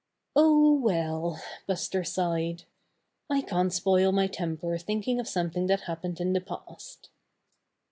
''Oh, well," Buster sighed, "I can't spoil my temper thinking of something that hap pened in the past."